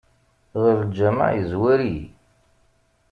Ɣer lǧameɛ yezwar-iyi.